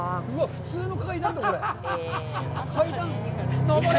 普通の階段だ、これ！